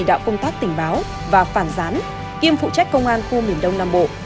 đạo công tác tình báo và phản gián kiêm phụ trách công an khu miền đông nam bộ